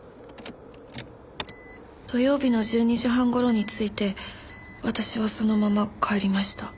土曜日の１２時半頃に着いて私はそのまま帰りました。